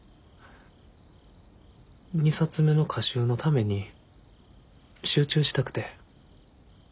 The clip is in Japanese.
２冊目の歌集のために集中したくて。